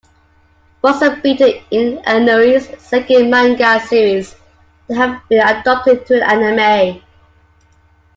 "Buzzer Beater" is Inoue's second manga series to have been adopted into an anime.